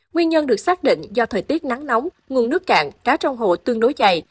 nguyên nhân được xác định do thời tiết nắng nóng nguồn nước cạn cá trong hồ tương đối dày